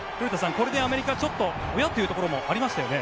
これでアメリカはおや？というところもありましたよね。